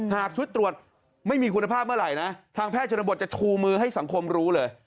หากชุดตรวจไม่มีคุณภาพเมื่อไหร่นะทางแพทย์ชนบทจะชูมือให้สังคมรู้เลย